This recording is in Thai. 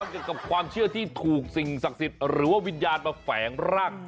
เกี่ยวกับความเชื่อที่ถูกสิ่งศักดิ์สิทธิ์หรือว่าวิญญาณมาแฝงร่าง